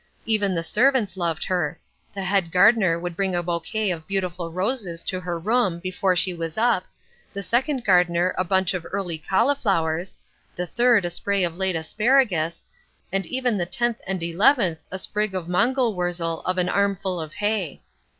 Even the servants loved her. The head gardener would bring a bouquet of beautiful roses to her room before she was up, the second gardener a bunch of early cauliflowers, the third a spray of late asparagus, and even the tenth and eleventh a sprig of mangel wurzel of an armful of hay.